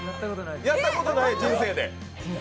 やったことない、人生で。